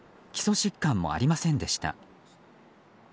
基礎疾患もありませんでした。